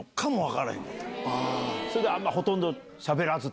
それでほとんどしゃべらず？